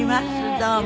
どうも。